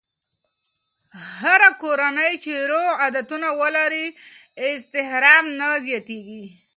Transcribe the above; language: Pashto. هره کورنۍ چې روغ عادتونه ولري، اضطراب نه زیاتېږي.